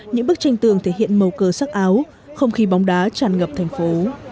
những bức tranh tường thể hiện màu cờ sắc áo không khí bóng đá tràn ngập thành phố